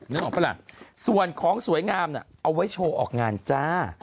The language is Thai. นึกออกปะล่ะส่วนของสวยงามน่ะเอาไว้โชว์ออกงานจ้า